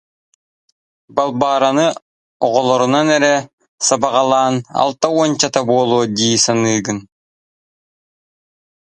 Балбаараны оҕолорунан эрэ сабаҕалаан алта уончата буолуо дии саныыгын